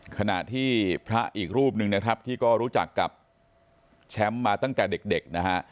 ขณะที่พระอีกรูปหนึ่งนะครับที่ก็รู้จักกับแชมป์มาตั้งแต่เด็กนะฮะ